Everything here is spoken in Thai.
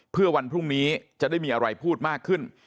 เพื่อวันพรุ่งนี้จะได้มีอะไรพูดมากขึ้น